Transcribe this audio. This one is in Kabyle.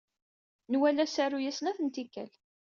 Nwala asaru-a snat n tikkal.